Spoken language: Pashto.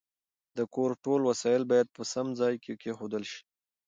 د کور ټول وسایل باید په سم ځای کې کېښودل شي.